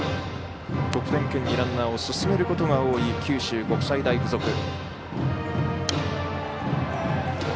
得点圏にランナーを進めることが多い九州国際大付属。